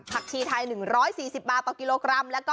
ชีไทย๑๔๐บาทต่อกิโลกรัม